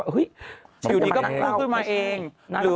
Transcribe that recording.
หยี่ไม่ใช่เนี่ย